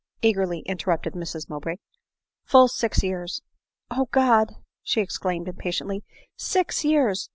eagerly inter rupted Mrs Mowbray. " Full six years." " Oh, God !" exclaimed she, impatiently —" Six years